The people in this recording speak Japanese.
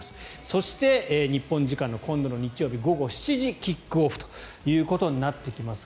そして、日本時間の今度の日曜日午後７時キックオフとなってきます。